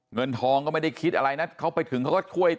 เงินทองก็ไม่ได้คิดอะไรนะเขาไปถึงเขาก็ช่วย